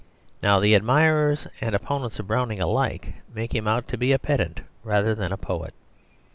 Now the admirers and opponents of Browning alike make him out to be a pedant rather than a poet.